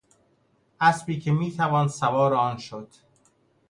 اسبی که میتوان سوار آن شد